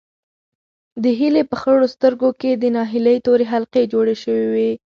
د هیلې په خړو سترګو کې د ناهیلۍ تورې حلقې جوړې شوې وې.